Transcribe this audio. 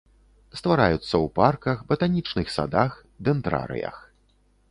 Ствараюцца ў парках, батанічных садах, дэндрарыях.